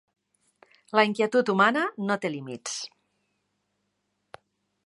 La inquietud humana no té límits.